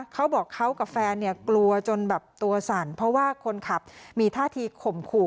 เขาบอกเขากับแฟนเนี่ยกลัวจนแบบตัวสั่นเพราะว่าคนขับมีท่าทีข่มขู่